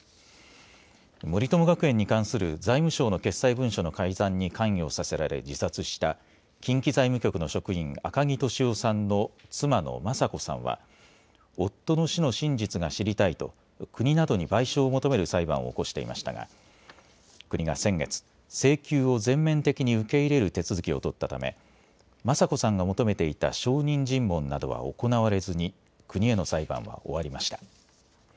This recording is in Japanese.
森友学園に関する財務省の決裁文書の改ざんに関与させられ自殺した、近畿財務局の職員、赤木俊夫さんの妻の雅子さんは、夫の死の真実が知りたいと、国などに賠償を求める裁判を起こしていましたが、国が先月、請求を全面的に受け入れる手続きを取ったため、雅子さんが求めていた証人尋問などは行われずに、国への裁判は終わりました。